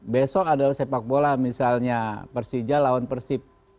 besok ada sepak bola misalnya persija lawan persib